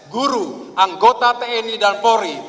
guru anggota tni dan polri